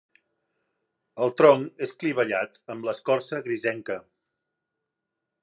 El tronc és clivellat amb l'escorça grisenca.